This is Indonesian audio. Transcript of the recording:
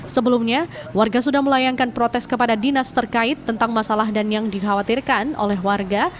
sebelumnya warga sudah melayangkan protes kepada dinas terkait tentang masalah dan yang dikhawatirkan oleh warga